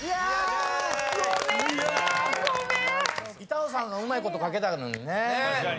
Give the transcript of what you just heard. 板尾さんうまいこと書けたのにね。